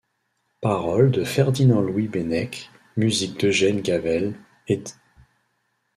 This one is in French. Paroles de Ferdinand-Louis Bénech, musique d’Eugène Gavel, éd.